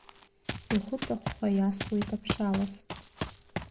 Ихәыҵахәхәа иасуеит аԥшалас…